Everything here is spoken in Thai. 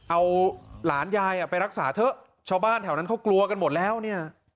เอาหลานยายไปรักษาเถอะชาวบ้านแถวนั้นเขากลัวกันหมดแล้วเนี่ย